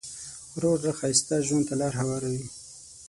روغ زړه ښایسته ژوند ته لاره هواروي.